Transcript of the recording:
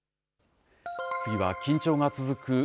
次は緊張が続く